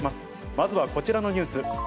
まずはこちらのニュース。